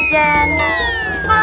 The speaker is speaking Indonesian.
ya udah pok